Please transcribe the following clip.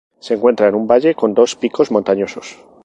Se encuentra en un valle con dos picos montañosos.